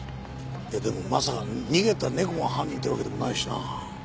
でもまさか逃げた猫が犯人っていうわけでもないしな。